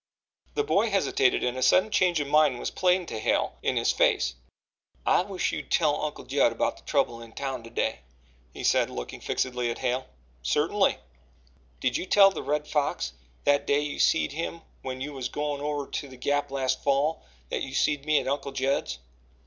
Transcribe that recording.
The boy hesitated, and a sudden change of mind was plain to Hale in his face. "I wish you'd tell Uncle Judd about the trouble in town to day," he said, still looking fixedly at Hale. "Certainly." "Did you tell the Red Fox that day you seed him when you was goin' over to the Gap last fall that you seed me at Uncle Judd's?"